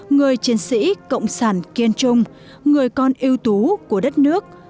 người chiến sĩ cộng sản kiên trung người con yêu tú của đất nước